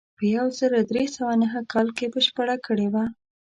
په یو زر درې سوه نهه کال کې بشپړه کړې وه.